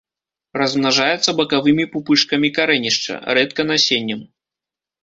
Размнажаецца бакавымі пупышкамі карэнішча, рэдка насеннем.